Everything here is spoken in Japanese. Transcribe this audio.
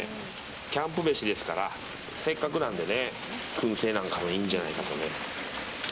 キャンプ飯ですからせっかくなんでね、燻製なんかもいいんじゃないかって。